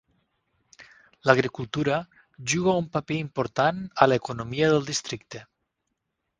L"agricultura juga un paper important a l"economia del districte.